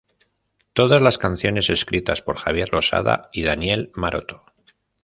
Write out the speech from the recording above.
Todas las canciones escritas por Javier Losada y Daniel Maroto.